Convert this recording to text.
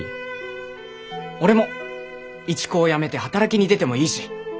俺も一高やめて働きに出てもいいし！